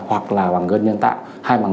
hoặc là bằng gân nhân tạo hay bằng